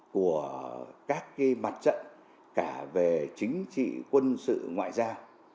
của các mặt trận cả về chính trị quân sự ngoại giao